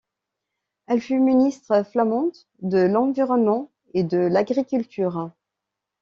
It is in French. Elle fut ministre flamande de l'Environnement et de l'Agriculture.